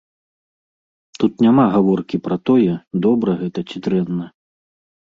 Тут няма гаворкі пра тое, добра гэта ці дрэнна.